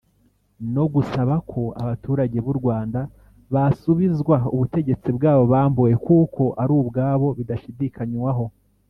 no gusaba ko abaturage b’u Rwanda basubizwa ubutegetsi bwabo bambuwe kuko ali ubwabo bidashidikanywaho